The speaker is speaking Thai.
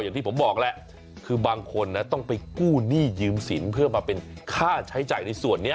อย่างที่ผมบอกแหละคือบางคนนะต้องไปกู้หนี้ยืมสินเพื่อมาเป็นค่าใช้จ่ายในส่วนนี้